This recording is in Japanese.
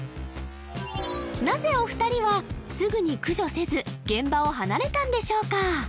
なぜお二人はすぐに駆除せず現場を離れたんでしょうか？